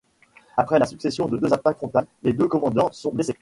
Après la succession de deux attaques frontales, les deux commandants sont blessés.